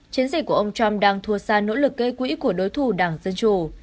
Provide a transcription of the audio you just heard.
chiến dịch của ông trump đang thua xa nỗ lực gây quỹ của đối thủ đảng dân chủ